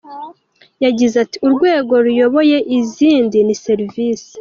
Yagize ati “Urwego ruyoboye izindi ni serivisi.